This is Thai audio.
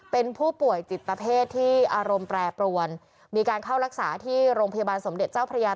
เป็นผู้ป่วยจิตเพศที่อารมณ์แปรปรวนมีการเข้ารักษาที่โรงพยาบาลสมเด็จเจ้าพระยา